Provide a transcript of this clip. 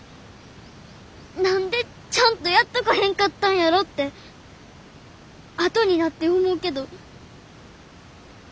何でちゃんとやっとかへんかったんやろってあとになって思うけど。